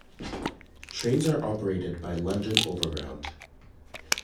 Trains are operated by London Overground.